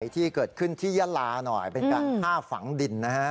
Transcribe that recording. ที่เกิดขึ้นที่ยาลาหน่อยเป็นการฆ่าฝังดินนะฮะ